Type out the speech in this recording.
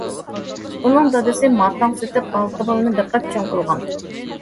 ئۇنىڭ دادىسى ماتاڭ سېتىپ ئالتە بالىنى بېقىپ چوڭ قىلغان.